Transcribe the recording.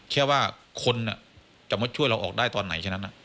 แค่ว่าคนจะมาช่วยเราออกได้ตอนไหนแค่นั้น